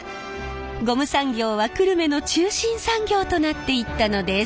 ゴム産業は久留米の中心産業となっていったのです。